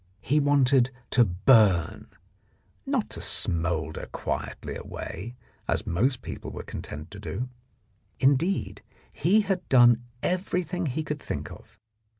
He wanted to burn, not to smoulder quietly away, as most people were content to do. Indeed, he had done everything he could think of.